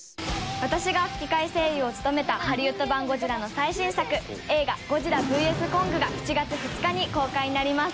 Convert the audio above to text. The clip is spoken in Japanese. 私が吹き替え声優を務めたハリウッド版『ゴジラ』の最新作映画『ゴジラｖｓコング』が７月２日に公開になります。